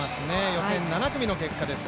予選７組の結果です。